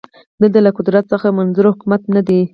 دلته له قدرت څخه منظور حکومت نه دی